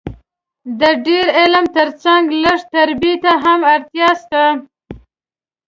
د ډېر علم تر څنګ لږ تربیې ته هم اړتیا سته